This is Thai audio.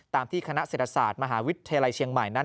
ที่คณะเศรษฐศาสตร์มหาวิทยาลัยเชียงใหม่นั้น